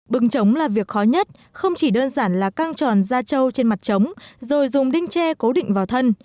bừng trống là việc khó nhất không chỉ đơn giản là căng tròn da trâu trên mặt trống rồi dùng đinh tre cố định vào thân